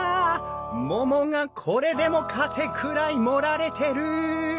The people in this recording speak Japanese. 桃がこれでもかってくらい盛られてる！